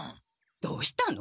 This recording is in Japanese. どうしたの？